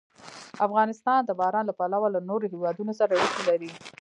افغانستان د باران له پلوه له نورو هېوادونو سره اړیکې لري.